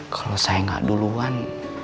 kalau saya gak duluan